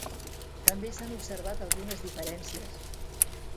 També s'han observat algunes diferències.